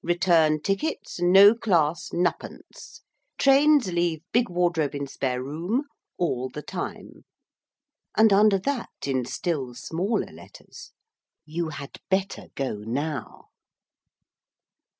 Return tickets No Class Nuppence. Trains leave Bigwardrobeinspareroom all the time.' And under that in still smaller letters '_You had better go now.